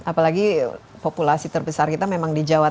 apalagi populasi terbesar kita memang di jawa